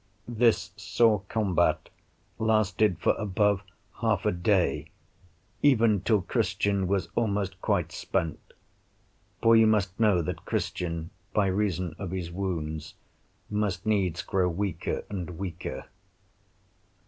This sore combat lasted for above half a day, even till Christian was almost quite spent; for you must know that Christian, by reason of his wounds, must needs grow weaker and weaker.